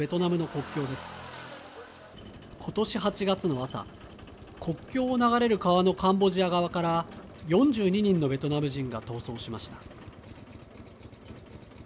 国境を流れる川のカンボジア側から４２人のベトナム人が逃走しました。